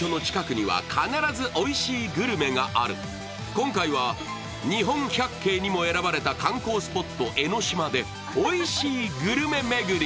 今回は日本百景にも選ばれた観光スポット・江の島でおいしいグルメ巡り。